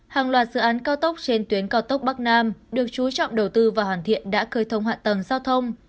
hàng loạt dự án cao tốc trên tuyến cao tốc bắc nam được chú trọng đầu tư và hoàn thiện đã khơi thông hạ tầng giao thông